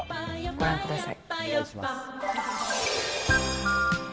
ご覧ください。